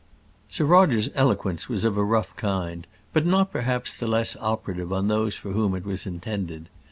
Sir Roger's eloquence was of a rough kind; but not perhaps the less operative on those for whom it was intended.